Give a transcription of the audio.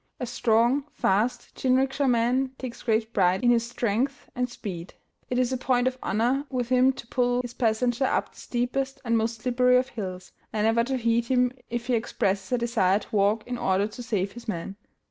A strong, fast jinrikisha man takes great pride in his strength and speed. It is a point of honor with him to pull his passenger up the steepest and most slippery of hills, and never to heed him if he expresses a desire to walk in order to save his man.